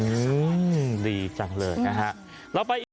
อืมดีจังเลยนะคะ